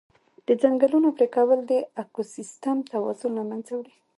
د ځنګلونو پرېکول د اکوسیستم توازن له منځه وړي.